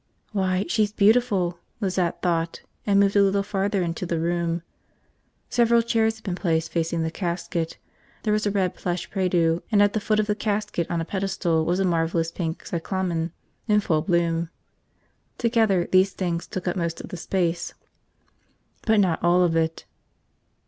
Why, she's beautiful, Lizette thought, and moved a little farther into the room. Several chairs had been placed facing the casket. There was a red plush prie dieu, and at the foot of the casket on a pedestal was a marvelous pink cyclamen in full bloom. Together, these things took up most of the space. But not all of it.